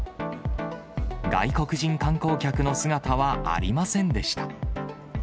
外国人観光客の姿はありませんでした。